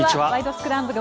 スクランブル」